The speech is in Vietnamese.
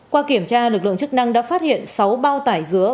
qua kiểm tra lực lượng chức năng đã phát hiện sáu bao tải dứa